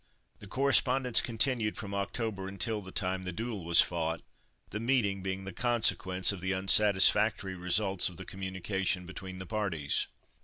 This correspondence continued from October until the time the duel was fought the meeting being the consequence of the unsatisfactory results of the communications between the parties.